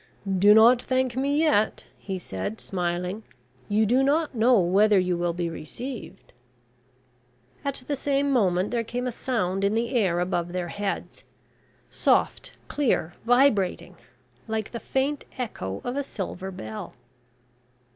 "Do not thank me yet," he said, smiling; "you do not know whether you will be received." At the same moment there came a sound in the air above their heads soft, clear, vibrating like the faint echo of a silver bell.